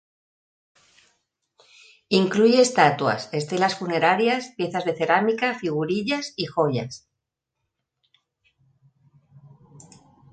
Incluye estatuas, estelas funerarias, piezas de cerámica, figurillas y joyas.